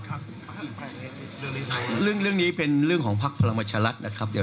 คุณหมอชนหน้าเนี่ยคุณหมอชนหน้าเนี่ย